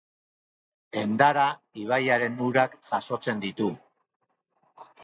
Endara ibaiaren urak jasotzen ditu.